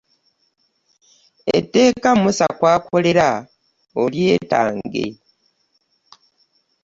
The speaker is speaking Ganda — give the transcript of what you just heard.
Etteeka Musa kw'akolera olyetange.